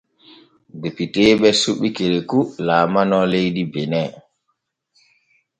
Depiteeɓe suɓi Kerekou laalano leydi Benin.